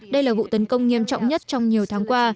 đây là vụ tấn công nghiêm trọng nhất trong nhiều tháng qua